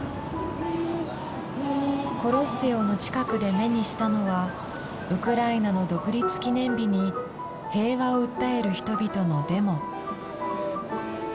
コロッセオの近くで目にしたのはウクライナの独立記念日に平和を訴える人々のデモ。